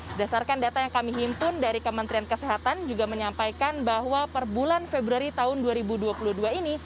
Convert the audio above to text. berdasarkan data yang kami himpun dari kementerian kesehatan juga menyampaikan bahwa per bulan februari tahun dua ribu dua puluh dua ini